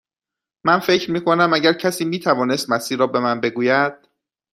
من فکر می کنم اگر کسی می توانست مسیر را به من بگوید.